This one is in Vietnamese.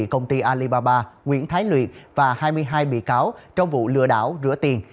công ty alibaba nguyễn thái luyện và hai mươi hai bị cáo trong vụ lừa đảo rửa tiền